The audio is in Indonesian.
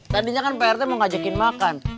tadinya kan pak rete mau ngajakin makan